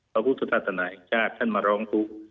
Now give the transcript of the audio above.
ทางพุทธธาตุธนาหังจ้าทคุณมาร้องผู้